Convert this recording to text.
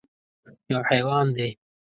_يو حيوان دی.